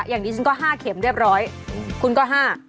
อย่างนี้ฉันก็๕เข็มเรียบร้อยคุณก็๕